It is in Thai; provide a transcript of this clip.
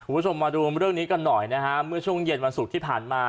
คุณผู้ชมมาดูเรื่องนี้กันหน่อยนะฮะเมื่อช่วงเย็นวันศุกร์ที่ผ่านมา